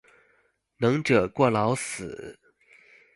能者過勞死